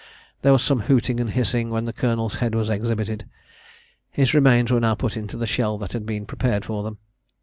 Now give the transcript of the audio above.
There was some hooting and hissing when the colonel's head was exhibited. His remains were now put into the shell that had been prepared for them.